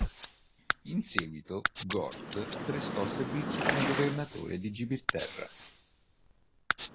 In seguito Gort prestò servizio come governatore di Gibilterra.